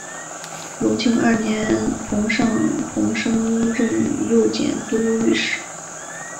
隆庆二年庞尚鹏升任右佥都御史。